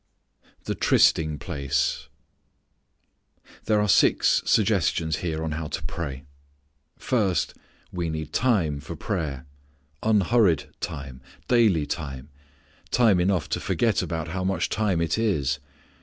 The Trysting Place. There are six suggestions here on how to pray. First we need time for prayer, unhurried time, daily time, time enough to forget about how much time it is.